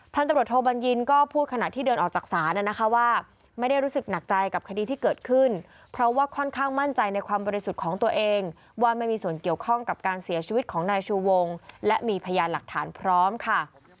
ตำรวจโทบัญญินก็พูดขณะที่เดินออกจากศาลนะคะว่าไม่ได้รู้สึกหนักใจกับคดีที่เกิดขึ้นเพราะว่าค่อนข้างมั่นใจในความบริสุทธิ์ของตัวเองว่าไม่มีส่วนเกี่ยวข้องกับการเสียชีวิตของนายชูวงและมีพยานหลักฐานพร้อมค่ะ